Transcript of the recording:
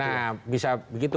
nah bisa begitu